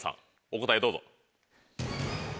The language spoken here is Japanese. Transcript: お答えどうぞ。